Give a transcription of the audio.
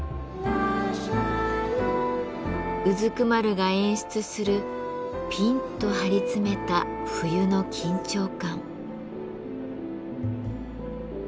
蹲が演出するピンと張り詰めた冬の緊張感。